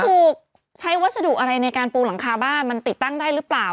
ถูกใช้วัสดุอะไรในการปูหลังคาบ้านมันติดตั้งได้หรือเปล่า